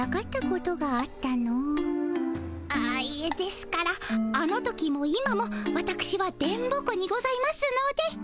あっいえですからあの時も今もわたくしは電ボ子にございますので。